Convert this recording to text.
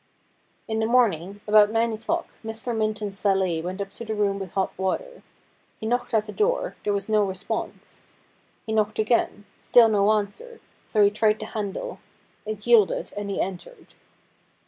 In the morning, about nine o'clock, Mr. Minton's valet went up to the room with hot water. He knocked at the door, there was no response. He knocked again, still no answer, so he tried the handle ; it yielded, and he entered.